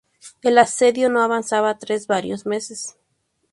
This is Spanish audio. El asedio no avanzaba tras varios meses.